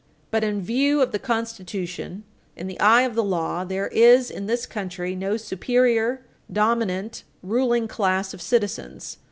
But in view of the Constitution, in the eye of the law, there is in this country no superior, dominant, ruling class of citizens.